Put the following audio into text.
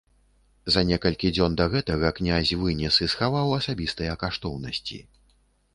За некалькі дзён да гэтага князь вынес і схаваў асабістыя каштоўнасці.